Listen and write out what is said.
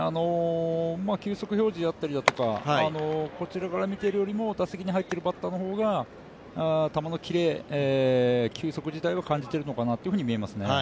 球速表示だったりとかこちらから見ているよりも、打席の入っているバッターの方が球のキレ、球速自体は感じているのかなというふうに見えますね。